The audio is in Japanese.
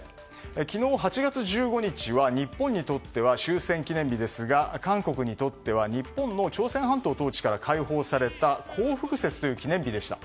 昨日、８月１５日は日本にとっては終戦記念日ですが韓国にとっては日本の朝鮮半島統治から解放された光復節という記念日でした。